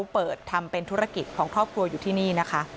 เปิดทำเป็นธุรกิจของครอบครัวอยู่ที่นี่นะคะ